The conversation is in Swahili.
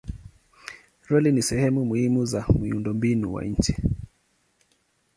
Reli ni sehemu muhimu za miundombinu wa nchi.